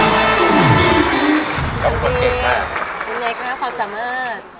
คุณสมีทเป็นไงคะความสามารถ